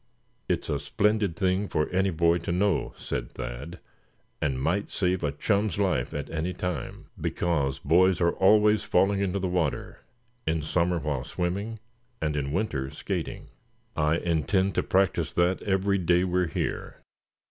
"It's a splendid thing for any boy to know," said Thad, "and might save a chum's life at any time. Because, boys are always falling into the water, in summer while swimming, and in winter skating. I intend to practice that every day we're here.